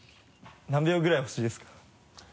何秒ぐらいほしいですか？